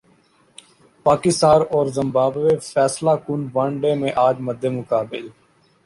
پاکستان اور زمبابوے فیصلہ کن ون ڈے میں اج مدمقابل